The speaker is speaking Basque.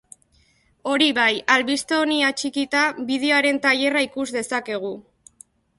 Hori bai, albiste honi atxikita, bideoaren trailerra ikus dezakegu.